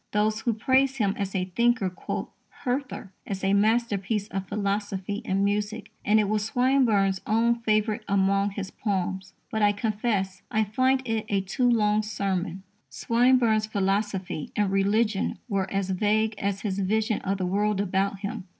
_ Those who praise him as a thinker quote Hertha as a masterpiece of philosophy in music, and it was Swinburne's own favourite among his poems. But I confess I find it a too long sermon. Swinburne's philosophy and religion were as vague as his vision of the world about him.